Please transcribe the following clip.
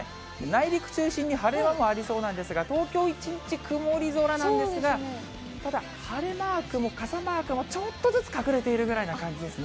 内陸中心に晴れ間もありそうなんですが、東京、一日曇り空なんですが、ただ、晴れマークも傘マークもちょっとずつ隠れているぐらいな感じです